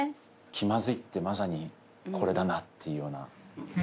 気まずいってまさにこれだなっていうような。